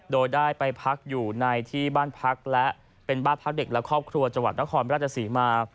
โดยได้ไปพักอยู่ในที่บ้านพักและเป็นบ้านพักเด็กและครอบครัวจังหวัดนครราชศรีมา